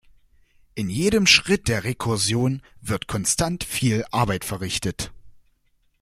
In jedem Schritt der Rekursion wird konstant viel Arbeit verrichtet.